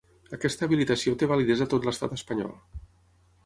Aquesta habilitació té validesa a tot l'Estat espanyol.